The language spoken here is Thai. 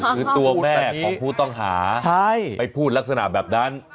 คือตัวแม่ของผู้ต้องหาไปพูดลักษณะแบบนั้น